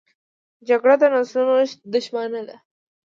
جګړه د نسلونو دښمنه ده